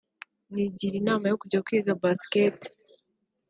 nigira inama yo kujya kwiga basketball